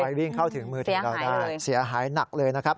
วิ่งเข้าถึงมือถือเราได้เสียหายหนักเลยนะครับ